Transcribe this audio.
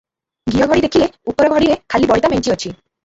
ଘିଅଘଡ଼ି ଦେଖିଲେ ଉପର ଘଡ଼ିରେ ଖାଲି ବଳିତା ମେଞ୍ଚି ଅଛି ।